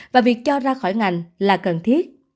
và việc cho ra khỏi ngành là cần thiết